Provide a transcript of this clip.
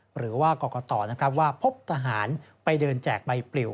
หรือว่ากรกตนะครับว่าพบทหารไปเดินแจกใบปลิว